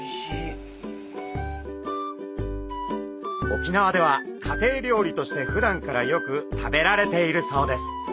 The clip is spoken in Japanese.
沖縄では家庭料理としてふだんからよく食べられているそうです。